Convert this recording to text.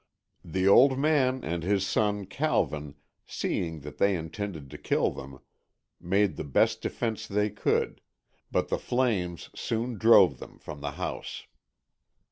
The old man and his son, Calvin, seeing that they intended to kill them, made the best defense they could, but the flames soon drove them from the house.